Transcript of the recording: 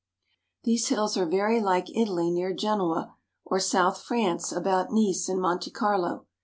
These hills are very like Italy near Genoa, or south France about Nice and Monte Carlo.